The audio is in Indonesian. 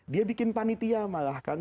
dia bikin panitia malah kan